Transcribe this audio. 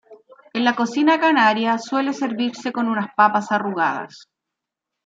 En la cocina canaria suele servirse con unas papas arrugadas.